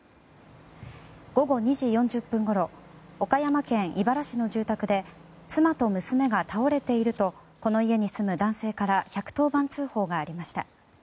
午後２時４０分ごろ岡山県井原市の住宅で妻と娘が倒れているとこの家に住む男性から１１０番通報がありました。